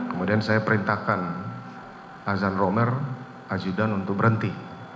kemudian saya perintahkan azan romer ajudan untuk berhenti